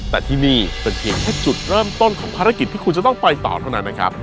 แต่ที่นี่เป็นเพียงแค่จุดเริ่มต้นของภารกิจที่คุณจะต้องไปต่อเท่านั้นนะครับ